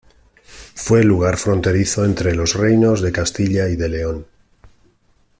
Fue lugar fronterizo entre los reinos de Castilla y de León.